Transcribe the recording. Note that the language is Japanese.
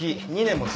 ２年も。